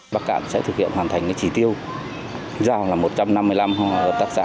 hợp tác xã của bắc cản là một trăm năm mươi năm hợp tác xã